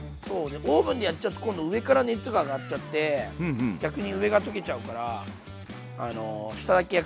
でオーブンでやっちゃうと今度上から熱が上がっちゃって逆に上が溶けちゃうから下だけ焼くのがいいと思う。